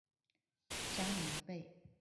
加棉被